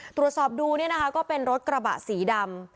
ตรวจสอบดูเนี่ยนะคะก็เป็นรถกระบะสีดำ